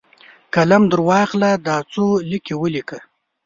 قلم درواخله ، دا څو لیکي ولیکه!